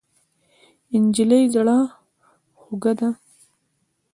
نجلۍ زړه خوږه ده.